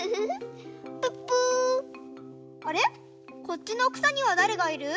こっちのくさにはだれがいる？